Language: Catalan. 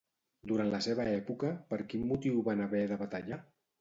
Durant la seva època, per quin motiu van haver de batallar?